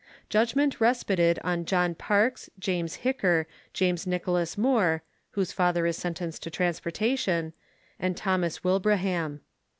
Judgment respited on John Parkes, James Hicker, James Nicholas Moore, (whose father is sentenced to transportation) and Thomas Wilbraham.